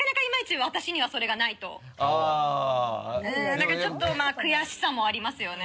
何かちょっと悔しさもありますよね。